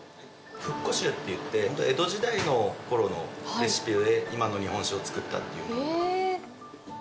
復古酒といって江戸時代のころのレシピで今の日本酒を造ったというもの。